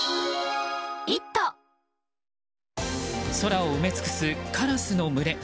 空を埋め尽くすカラスの群れ。